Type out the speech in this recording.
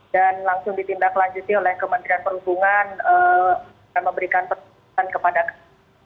dan langsung ditindak lanjuti oleh kementerian perhubungan dan memberikan persiapan kepada kami